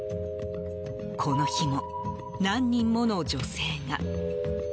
この日も、何人もの女性が。